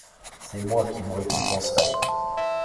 C'est moi qui vous récompenserai.